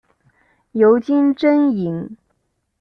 尤金真蚓。